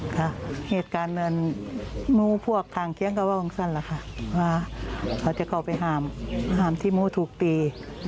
เพราะเหตุการณ์นุพวกฆ่างเคี้ยงกะว่าของซั่นแหละครับเราจะเข้าไปห่ามห่ามที่มุถูกตี